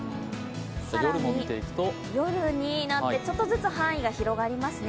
更に、夜になってちょっとずつ範囲が広がりますね。